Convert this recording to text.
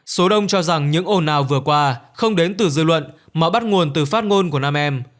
số đông cho rằng những ồn ào vừa qua không đến từ dư luận mà bắt nguồn từ phát ngôn của nam em